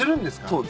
そう。